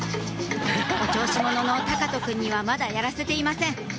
お調子者の隆翔くんにはまだやらせていません